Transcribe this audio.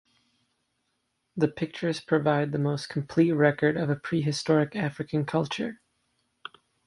The pictures provide the most complete record of a prehistoric African culture.